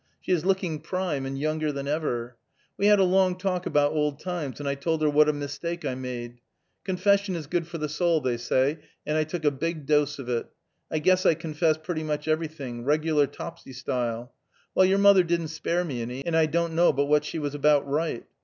She is looking prime, and younger than ever. We had a long talk about old times, and I told her what a mistake I made. Confession is good for the soul, they say, and I took a big dose of it; I guess I confessed pretty much everything; regular Topsey style. Well, your mother didn't spare me any, and I don't know but what she was about right.